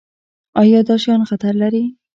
ایا دا شیان خطر لري؟